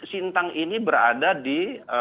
sintang ini berada di